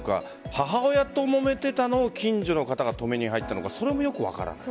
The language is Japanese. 母親ともめていたのを近所の方が止めに入ったのかそれもよく分からない。